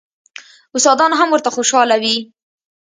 استادان هم ورته خوشاله وي.